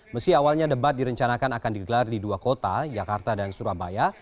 meski awalnya debat direncanakan akan digelar di dua kota jakarta dan surabaya